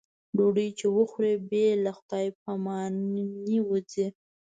ډوډۍ چې وخوري بې له خدای په امانۍ وځي.